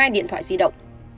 hai điện thoại di động